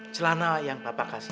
celana yang papa kasih